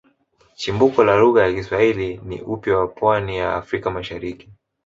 Chimbuko la lugha ya Kiswahili ni upwa wa pwani ya Afrika Mashariki